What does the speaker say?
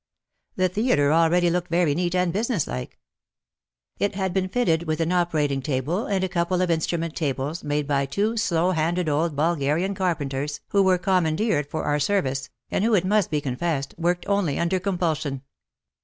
The theatre already looked very neat and business like. It had been fitted v/ith an operating table and a couple of instrument tables made by two slow handed old Bulgarian carpenters who were commandeered for our service, and who, it must be confessed, worked only under compulsion.